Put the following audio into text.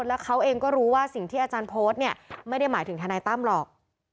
แล้วเขาเองก็รู้ว่าสิ่งที่อาจารย์โพสต์เนี่ยไม่ได้หมายถึงทนายตั้มหรอก